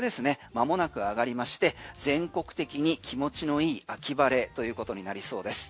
まもなく上がりまして全国的に気持ちの良い秋晴れということになりそうです。